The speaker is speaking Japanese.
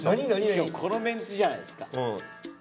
しかもこのメンツじゃないですか。